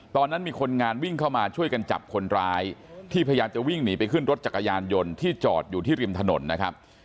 ตอนนั้นมีคนงานวิ่งเข้ามาช่วยกันจับคนร้ายที่พยายามจะวิ่งหนีไปขึ้นรถจักรยานยนต์ที่จอดอยู่ที่ริมถนนนะครับ